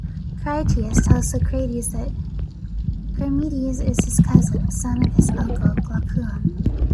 Critias tells Socrates that Charmides is his cousin, son of his uncle Glaucon.